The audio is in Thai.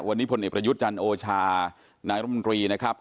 วันนี้พลเนปรยุทธ์จัญโอชานามสมตรีนะครับ